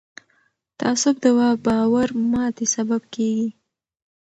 تعصب د باور ماتې سبب کېږي